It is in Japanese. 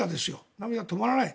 涙が止まらない。